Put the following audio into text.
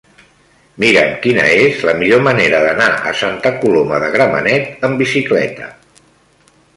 Mira'm quina és la millor manera d'anar a Santa Coloma de Gramenet amb bicicleta.